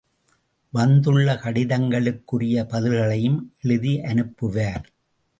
வந்துள்ள கடிதங்களுக்குரிய பதில்களையும் எழுதி அனுப்புவார்.